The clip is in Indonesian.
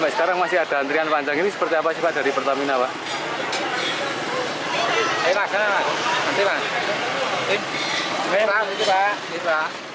sekarang masih ada antrian panjang ini seperti apa sih pak dari pertamina pak